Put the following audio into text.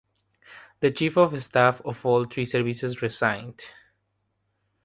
The Chiefs of Staff of all three services resigned.